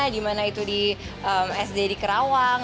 di mana itu di sd di kerawang